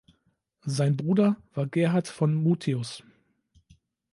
Sein Bruder war Gerhard von Mutius.